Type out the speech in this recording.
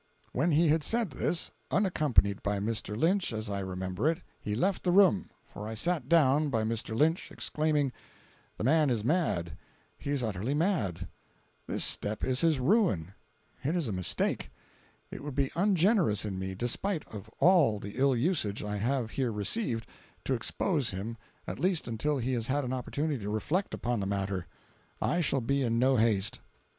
When he had said this, unaccompanied by Mr. Lynch, as I remember it, he left the room, for I sat down by Mr. Lynch, exclaiming: "The man is mad—he is utterly mad—this step is his ruin—it is a mistake—it would be ungenerous in me, despite of all the ill usage I have here received, to expose him, at least until he has had an opportunity to reflect upon the matter. I shall be in no haste."